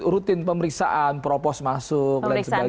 rutin pemeriksaan propos masuk dan sebagainya